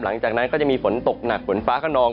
หลังจากนั้นก็จะมีฝนตกหนักฝนฟ้าขนอง